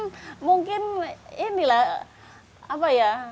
ya mungkin mungkin ini lah apa ya